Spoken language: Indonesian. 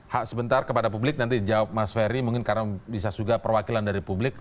hak sebentar kepada publik nanti jawab mas ferry mungkin karena bisa juga perwakilan dari publik